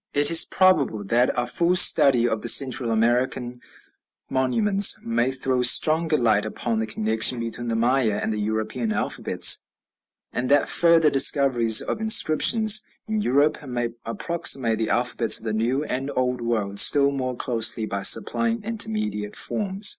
It is probable that a full study of the Central American monuments may throw stronger light upon the connection between the Maya and the European alphabets, and that further discoveries of inscriptions in Europe may approximate the alphabets of the New and Old World still more closely by supplying intermediate forms.